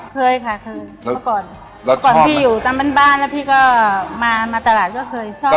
เคยค่ะเคยเมื่อก่อนพี่อยู่ตามบ้านแล้วพี่ก็มาตลาดก็เคยชอบก่อน